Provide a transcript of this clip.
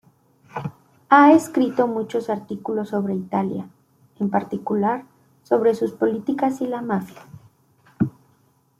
Ha escrito muchos artículos sobre Italia, en particular sobre sus políticas y la Mafia.